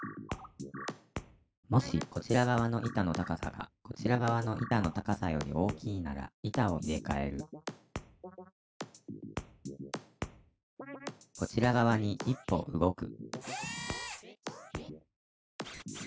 もしこちら側の板の高さがこちら側の板の高さより大きいなら板を入れかえるこちら側に１歩動く「Ｗｈｙ！？